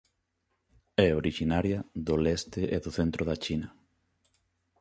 É orixinaria do leste e do centro da China.